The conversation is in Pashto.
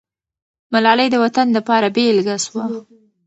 ملالۍ د وطن دپاره بېلګه سوه.